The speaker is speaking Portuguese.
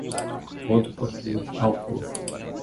Todo poder ao povo.